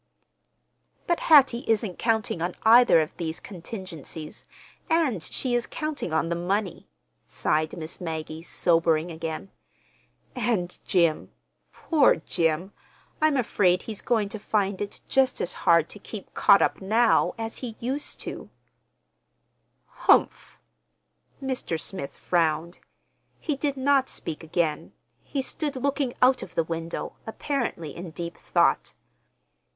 "But Hattie isn't counting on either of these contingencies, and she is counting on the money," sighed Miss Maggie, sobering again. "And Jim,—poor Jim!—I'm afraid he's going to find it just as hard to keep caught up now—as he used to." "Humph!" Mr. Smith frowned. He did not speak again. He stood looking out of the window, apparently in deep thought.